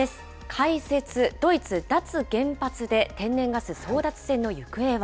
解説、ドイツ、脱原発で天然ガス争奪戦の行方は。